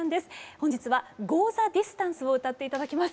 本日は「ゴー・ザ・ディスタンス」を歌って頂きます。